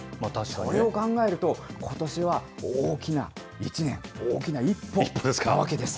それを考えると、ことしは大きな一年、大きな一歩なわけです。